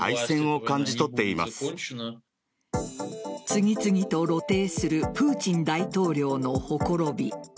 次々と露呈するプーチン大統領のほころび。